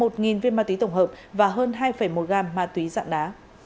một viên ma túy tổng hợp và hơn hai một gam ma túy dạng đá